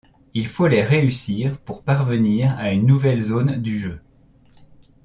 Il faut les réussir pour parvenir à une nouvelle zone du jeu.